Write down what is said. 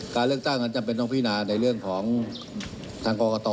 การเลือกตั้งอันจำเป็นต้องพินาในเรื่องของทางกรกต